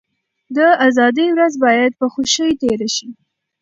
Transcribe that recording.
د ازادۍ ورځ بايد په خوښۍ تېره شي.